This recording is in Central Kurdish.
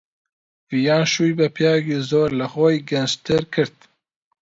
ڤیان شووی بە پیاوێکی زۆر لە خۆی گەنجتر کرد.